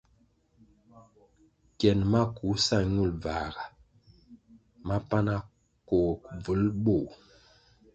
Kien maku sa ñul bvãhga mapana koh bvúl bőh.